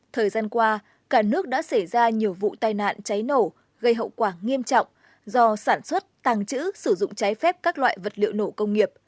thời gian qua cả nước đã xảy ra nhiều vụ tai nạn cháy nổ gây hậu quả nghiêm trọng do sản xuất tàng trữ sử dụng trái phép các loại vật liệu nổ công nghiệp